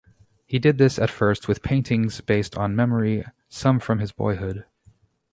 He did this at first with paintings based on memory, some from his boyhood.